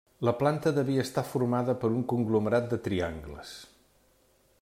La planta devia estar formada per un conglomerat de triangles.